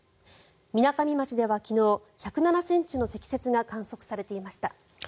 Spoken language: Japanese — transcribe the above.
みなかみ町では昨日１０７ｃｍの積雪が観測されていました。